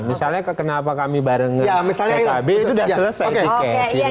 misalnya kenapa kami bareng dengan pkb itu sudah selesai tiket